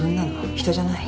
人じゃない。